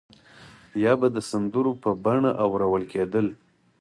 یا به د سندرو په بڼه اورول کېدل.